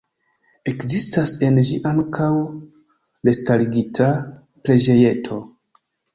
Ekzistas en ĝi ankaŭ restarigita preĝejeto.